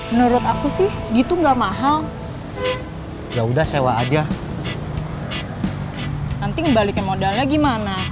menurut aku sih segitu enggak mahal ya udah sewa aja nanti kembali ke modalnya gimana